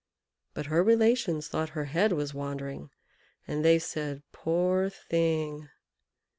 But her relations thought her head was wandering, and they said, "Poor thing!"